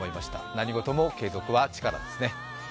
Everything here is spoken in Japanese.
何事も継続は力ですね。